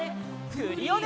クリオネ！